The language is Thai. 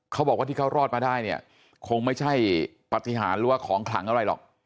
เขาบอกว่าที่เขารอดมาได้เนี่ยคงไม่ใช่ปฏิหารหรือว่าของขลังอะไรหรอก